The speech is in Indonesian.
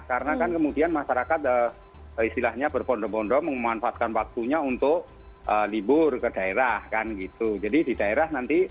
karena kemudian masyarakat berpondok pondok memanfaatkan waktunya untuk libur ke daerah